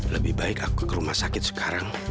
lebih baik aku ke rumah sakit sekarang